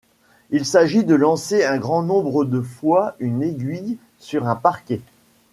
Il s'agit de lancer un grand nombre de fois une aiguille sur un parquet.